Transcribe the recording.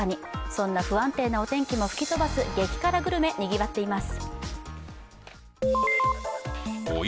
そんな不安定なお天気も吹き飛ばす激辛グルメ、にぎわっています。